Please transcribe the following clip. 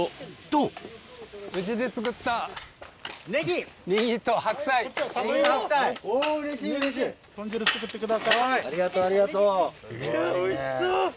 うわおいしそう！